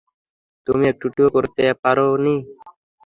তুমি এটুকুও করতে পারো নি?